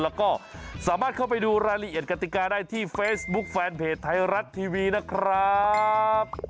แล้วก็สามารถเข้าไปดูรายละเอียดกติกาได้ที่เฟซบุ๊คแฟนเพจไทยรัฐทีวีนะครับ